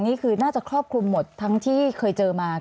นี่คือน่าจะครอบคลุมหมดทั้งที่เคยเจอมา